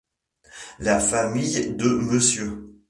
La famille de Mr.